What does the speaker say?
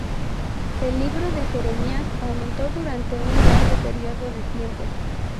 El Libro de Jeremías aumentó durante un largo período de tiempo.